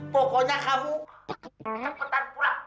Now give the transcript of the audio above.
pokoknya kamu cepetan pulang